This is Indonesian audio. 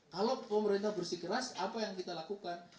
kalau pemerintah bersikeras apa yang kita lakukan